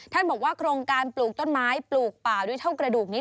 บอกว่าโครงการปลูกต้นไม้ปลูกป่าด้วยเท่ากระดูกนี้